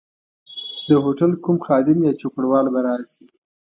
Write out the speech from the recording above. چي د هوټل کوم خادم یا چوپړوال به راشي.